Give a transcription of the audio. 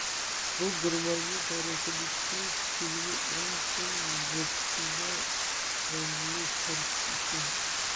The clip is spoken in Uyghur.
بۇ گېرمانىيە تارىخىدىكى كۆلىمى ئەڭ چوڭ ۋاكسىنا ئەملەش ھەرىكىتى ئىكەن.